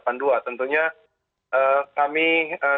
nah tentunya kami saya